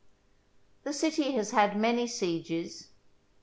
The city has had many sieges.